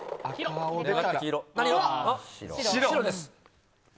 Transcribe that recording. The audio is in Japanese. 白です。